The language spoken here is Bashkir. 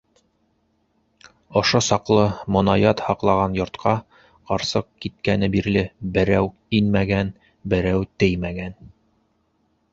Ошо саҡлы монаят һаҡлаған йортҡа ҡарсыҡ киткәне бирле берәү инмәгән, берәү теймәгән.